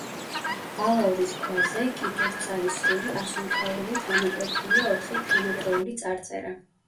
ბალავრის ქვაზე, კიდურწაისრული ასომთავრულით ამოკვეთილია ოთხი თანადროული წარწერა.